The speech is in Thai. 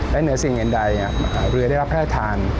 และเหนือสิ่งใดเรือได้รับแรทฐาน